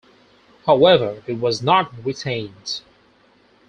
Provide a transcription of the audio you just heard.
However, he was not retained.